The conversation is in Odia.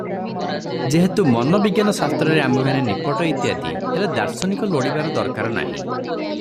ଯେହେତୁ ମନୋବିଜ୍ଞାନ ଶାସ୍ତ୍ରରେ ଆମ୍ଭେମାନେ ନିପଟ - ଇତ୍ୟାଦି, ହେଲେ ଦାର୍ଶନିକ ଲୋଡିବାର ଦରକାର ନାହିଁ ।